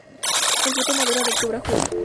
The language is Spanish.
El fruto madura de octubre a julio.